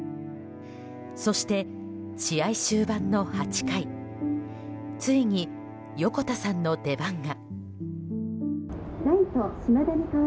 そして試合終盤の８回ついに横田さんの出番が。